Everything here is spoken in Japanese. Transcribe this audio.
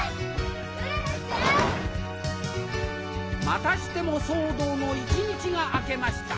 またしても騒動の一日が明けました